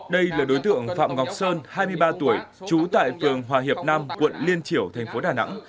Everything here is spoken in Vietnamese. đây là đối tượng phạm ngọc sơn hai mươi ba tuổi trú tại phường hòa hiệp nam quận liên triểu thành phố đà nẵng